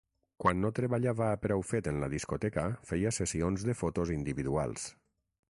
Quan no treballava a preu fet en la discoteca feia sessions de fotos individuals.